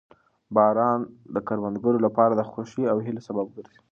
باران د کروندګرو لپاره د خوښۍ او هیلو سبب ګرځي